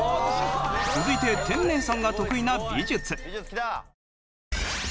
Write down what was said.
続いて天明さんが得意な美術。